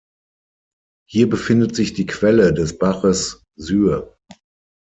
Hier befindet sich die Quelle des Baches Syr.